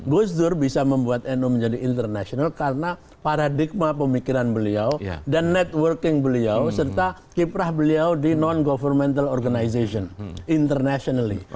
gus dur bisa membuat nu menjadi international karena paradigma pemikiran beliau dan networking beliau serta kiprah beliau di non governmental organization internationally